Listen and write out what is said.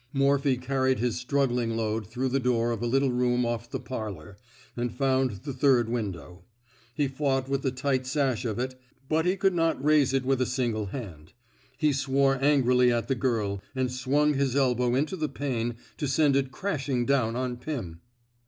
Morphy carried his struggling load through the door of a little room off the parlor, and found the third window. He fought with the tight sash of it, but he could not raise it with a single hand. He swore angrily at the girl, and swung his elbow into the pane to send it crashing down on Pim.